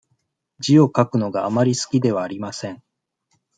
字を書くのがあまり好きではありません。